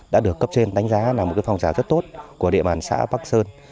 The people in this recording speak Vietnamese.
đã được cấp trên đánh giá là một cái phòng rào rất tốt của địa bàn xã bắc sơn